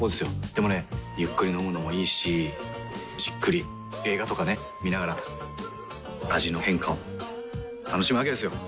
でもねゆっくり飲むのもいいしじっくり映画とかね観ながら味の変化を楽しむわけですよ。